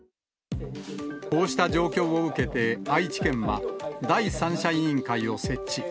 こうした状況を受けて愛知県は、第三者委員会を設置。